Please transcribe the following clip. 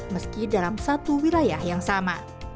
meski dalam satu wilayah yang sama